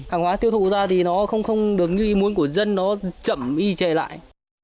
hàng hóa tiêu thụ ra thì nó không được như muốn của dân nó chậm y chề lại